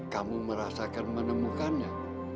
kamu merasakan menemukannya